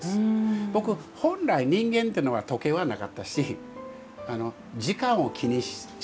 僕本来人間っていうのは時計はなかったし時間を気にして生きてないと思う。